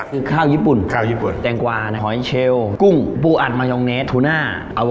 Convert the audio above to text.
คือข้าวญี่ปุ่นแตงกวาหอยเชลล์กุ้งปูอัดมายองเนสทูน่า